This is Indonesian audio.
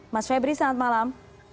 mas febri selamat malam